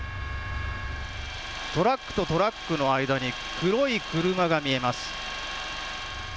トラックとトラックの間に黒い車が見えます。